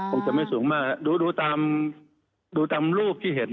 รูตามรูปที่เห็น